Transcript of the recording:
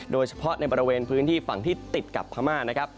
โดยเฉพาะในบริเวณพื้นที่ฝั่งที่ติดกับพม่านะครับ